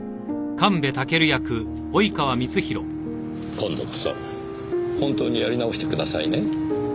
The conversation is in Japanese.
今度こそ本当にやり直してくださいね。